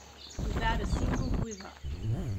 Without a single quiver.